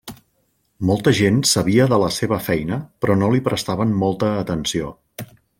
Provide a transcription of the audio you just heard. Molta gent sabia de la seva feina però no li prestaven molta atenció.